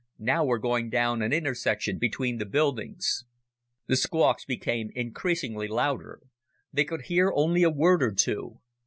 Now we're going down an intersection between the buildings." The squawks became increasingly louder. They could hear only a word or two.